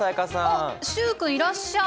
あ習君いらっしゃい！